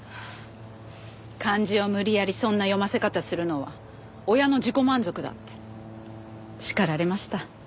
漢字を無理やりそんな読ませ方するのは親の自己満足だって叱られました。